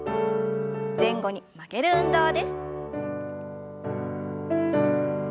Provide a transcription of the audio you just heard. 前後に曲げる運動です。